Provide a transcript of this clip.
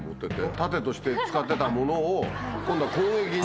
盾として使ってたものを今度は攻撃に。